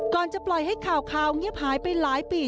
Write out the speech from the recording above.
ก่อนจะปล่อยให้ข่าวเงียบหายไปหลายปี